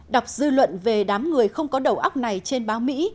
đọc dư luận về đám người không có đầu óc này trên báo mỹ